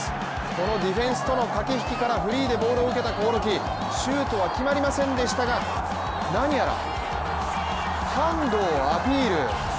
このディフェンスとの駆け引きからフリーでボールを受けた興梠シュートは決まりませんでしたが何やらハンドをアピール。